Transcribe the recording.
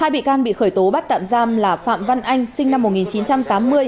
hai bị can bị khởi tố bắt tạm giam là phạm văn anh sinh năm một nghìn chín trăm tám mươi